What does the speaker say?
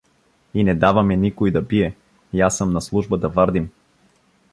И не даваме никой да пие, Я съм на служба да вардим.